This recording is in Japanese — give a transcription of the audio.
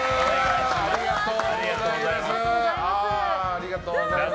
ありがとうございます。